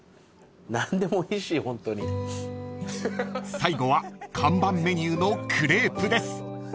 ［最後は看板メニューのクレープです］